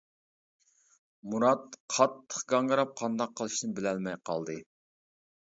مۇرات قاتتىق گاڭگىراپ قانداق قىلىشنى بىلەلمەي قالدى.